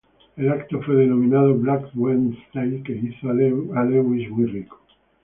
El evento que fue denominado Black Wednesday, que hizo a Lewis muy rico.